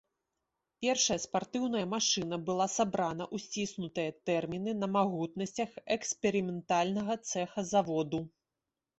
Першая спартыўная машына была сабрана ў сціснутыя тэрміны на магутнасцях эксперыментальнага цэха заводу.